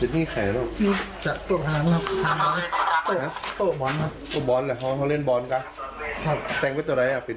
แต่ตั้งกับมีขั้นหลักด้วยเป็นเครื่องปืนเตรียมเลยครับ